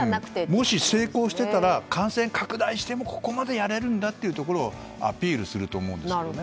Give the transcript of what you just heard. もし成功してたら感染拡大してもここまでやれるんだというところをアピールすると思うんですね。